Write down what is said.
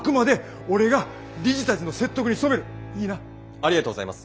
ありがとうございます！